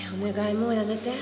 もうやめて。